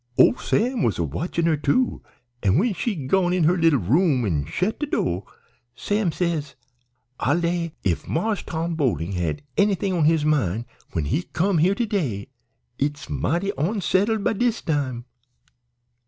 "Ole Sam was a watchin' her, too, an' when she'd gone in her leetle room an' shet de do' Sam says, 'I'll lay if Marse Tom Boling had anythin' on his mind when he come here to day it's mighty onsettled by dis time.'